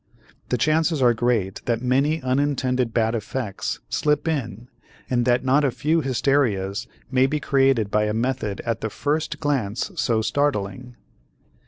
The chances are great that many unintended bad effects slip in and that not a few hysterias may be created by a method at the first glance so startling.